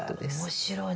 面白い。